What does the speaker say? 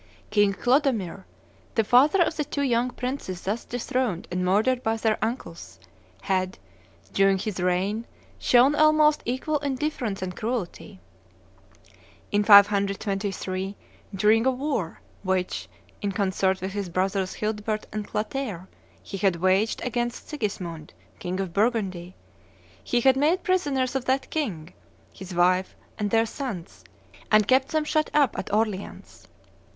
King Clodomir, the father of the two young princes thus dethroned and murdered by their uncles, had, during his reign, shown almost equal indifference and cruelty. In 523, during a war which, in concert with his brothers Childebert and Clotaire, he had waged against Sigismund, king of Burgundy, he had made prisoners of that king, his wife, and their sons, and kept them shut up at Orleans.